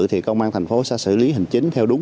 thì công an thành phố sẽ xử lý hình chính theo đúng